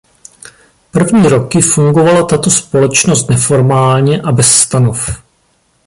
První roky fungovala tato společnost neformálně a bez stanov.